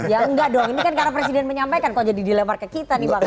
ya enggak dong ini kan karena presiden menyampaikan kok jadi dilempar ke kita nih bang